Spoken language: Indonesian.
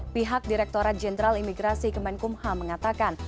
pihak direkturat jenderal imigrasi kemenkumham mengatakan